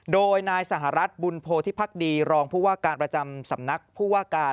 โดยนายสหรัฐบุญโพธิพักดีรองผู้ว่าการประจำสำนักผู้ว่าการ